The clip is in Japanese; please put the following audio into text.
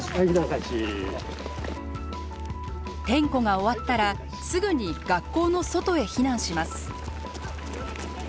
点呼が終わったらすぐに学校の外へ避難します。